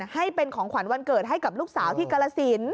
ให้เป็นของขวัญวันเกิดให้กับลูกสาวที่กรสิน